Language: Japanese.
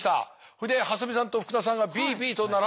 それで蓮見さんと福田さんがＢＢと並んでいる。